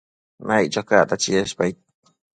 Naiccho cacta cheshpaid